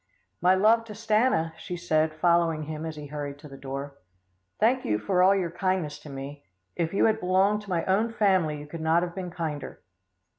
"My love to Stanna," she said, following him as he hurried to the door. "Thank you for all your kindness to me. If you had belonged to my own family, you could not have been kinder."